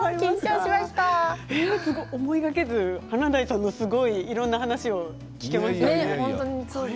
思いがけず華大さんのいろんな話を聞けましたね。